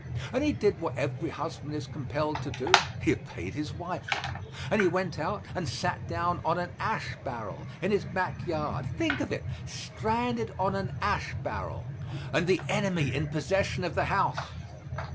And he did what every husband is compelled by law to do he obeyed his wife. And he went out and sat down on an ash barrel in his back yard. Think of it! Stranded on an ash barrel and the enemy in possession of the house!